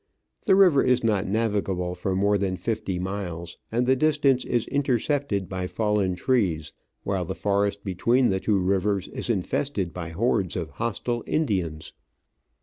The river is not navigable for more than fifty miles, and the distance is intercepted by fallen trees, while the forest between the two rivers is infested by hordes of hostile Indians.